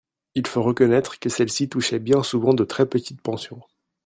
Il faut reconnaître que celles-ci touchaient bien souvent de très petites pensions.